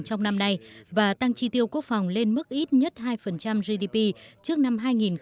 trong năm nay và tăng chi tiêu quốc phòng lên mức ít nhất hai gdp trước năm hai nghìn hai mươi năm